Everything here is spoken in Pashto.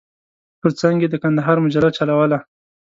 پر څنګ یې د کندهار مجله چلوله.